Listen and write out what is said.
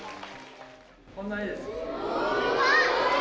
こんな絵です。